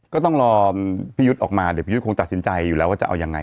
ก็ต้องรอพี่ยุทธ์ออกมาเดี๋ยวพี่ยุทธคงตัดสินใจอยู่แล้วว่าจะเอายังไง